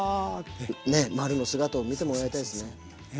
ねっまるの姿を見てもらいたいですね。